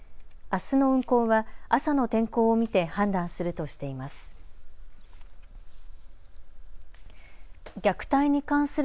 あすの運航は朝の天候を見て判断するとしています。